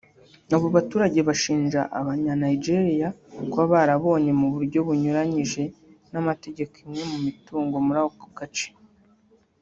Abo baturage bashinja Abanyanijeriya kuba barabonye mu buryo bunyuranyije n’amategeko imwe mu mitungo muri ako gace